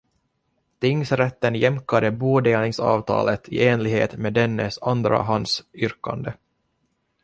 Tingsrätten jämkade bodelningsavtalet i enlighet med dennes andrahandsyrkande.